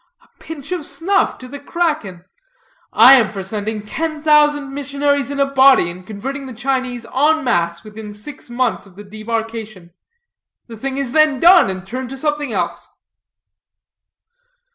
A pinch of snuff to the kraken. I am for sending ten thousand missionaries in a body and converting the Chinese en masse within six months of the debarkation. The thing is then done, and turn to something else."